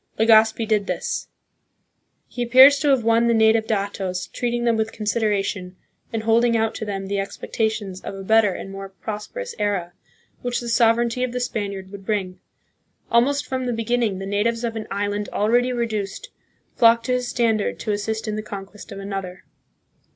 Legazpi did this. He Legazpi Monument, Luneta. CONQUEST AND SETTLEMENT, 1565 1600. 139 appears to have won the native datos, treating them with consideration, and holding out to them the expectations of a better and more prosperous era, which the sovereignty of the Spaniard would bring. Almost from the beginning, the natives of an island already reduced flocked to his standard to assist in the conquest of another.